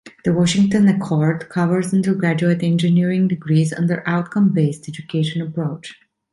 The Washington Accord covers undergraduate engineering degrees under Outcome-based education approach.